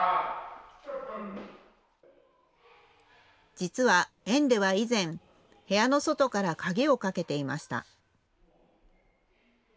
実は園では以前、部屋の外から鍵をかけていました。